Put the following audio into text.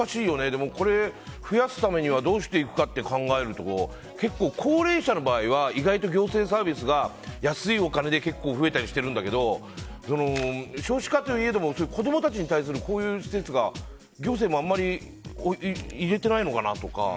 でも増やすためにはどうしたらって考えると結構高齢者の場合は意外と行政サービスが安いお金で結構増えたりしてるんだけど少子化といえども子供たちに対するこういう施設が行政もあまり入れてないのかなとか。